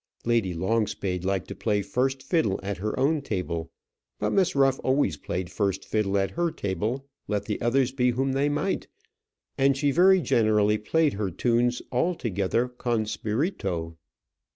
Lady Longspade liked to play first fiddle at her own table; but Miss Ruff always played first fiddle at her table, let the others be whom they might; and she very generally played her tunes altogether "con spirito."